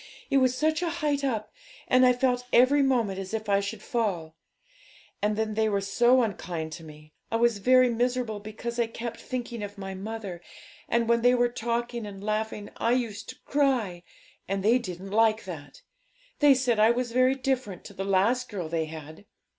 it was such a height up; and I felt every moment as if I should fall. And then they were so unkind to me. I was very miserable because I kept thinking of my mother; and when they were talking and laughing I used to cry, and they didn't like that. They said I was very different to the last girl they had.